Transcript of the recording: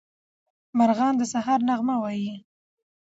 مارغان د سهار نغمه وايي.